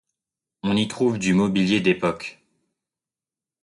On y trouve du mobilier d’époque.